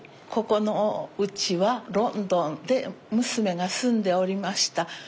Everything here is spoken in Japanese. ここのうちはロンドンで娘が住んでおりました